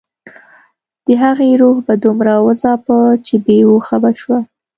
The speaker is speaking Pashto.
د هغې روح به دومره وځاپه چې بې هوښه به شوه